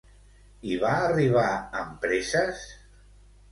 I va arribar amb presses?